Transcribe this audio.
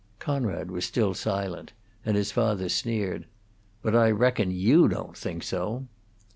Conrad was still silent, and his father sneered, "But I reckon you don't think so."